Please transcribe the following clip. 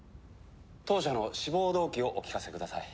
当社の志望動機をお聞かせください。